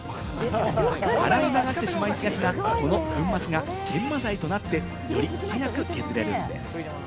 洗い流してしまいがちなこの粉末が研磨剤となって、より早く削れるんです。